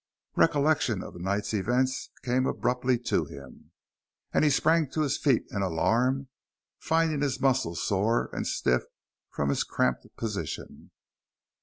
Recollection of the night's events came abruptly to him, and he sprang to his feet in alarm, finding his muscles sore and stiff from his cramped position.